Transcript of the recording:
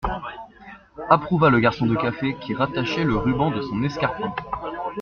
Approuva le garçon de café qui rattachait le ruban de son escarpin.